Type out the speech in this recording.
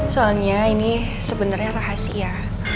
soalnya ini sebenarnya rahasia